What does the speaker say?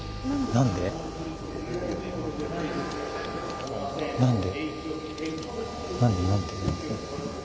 何で何で？